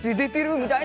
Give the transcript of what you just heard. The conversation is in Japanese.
みたいな